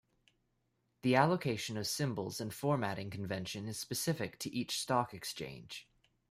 The allocation of symbols and formatting convention is specific to each stock exchange.